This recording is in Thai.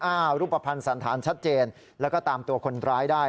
รูปภัณฑ์สันธารชัดเจนแล้วก็ตามตัวคนร้ายได้